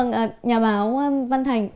nhà báo văn thành